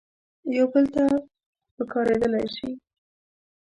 یو بل ته پکارېدلای شي.